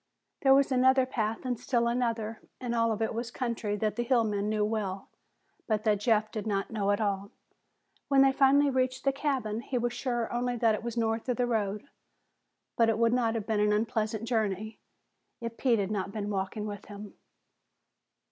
There was another path, and still another, and all of it was country that the hill men knew well but that Jeff did not know at all. When they finally reached the cabin, he was sure only that it was north of the road. But it would not have been an unpleasant journey if Pete had not been walking with him.